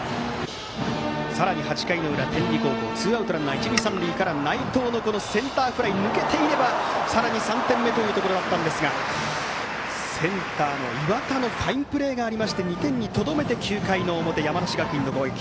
さらに８回の裏、天理高校ツーアウトランナー、一塁三塁から内藤のセンターフライ抜けていればさらに３点目というところだったんですがセンター、岩田のファインプレーがありまして２点にとどめて９回の表、山梨学院の攻撃。